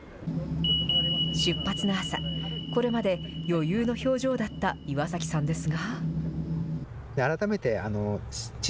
出発の朝、これまで余裕の表情だった岩崎さんですが。